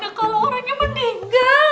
ya mana kalau orangnya mendinggal